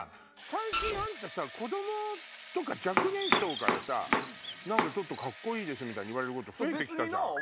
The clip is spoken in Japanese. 最近あんた子供とか若年層からちょっとカッコいいですみたいに言われること増えてきたじゃん。